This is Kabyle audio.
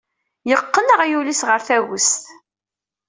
Yeqqen aɣyul-is ɣer tagest.